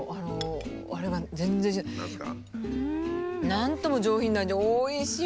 なんとも上品な味でおいしい！